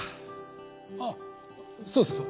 あそうそうそう。